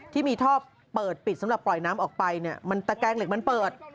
ที่มีท่อเปิดปิดสำหรับปล่อยน้ำออกไปเนี่ยมันตะแกงเหล็กมันเปิด